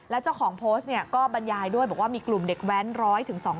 แล้วเจ้าของโพสต์เนี่ยก็บรรยายด้วยบอกว่ามีกลุ่มเด็กแว้น๑๐๐